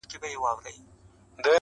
o څه دي راوکړل د قرآن او د ګیتا لوري؛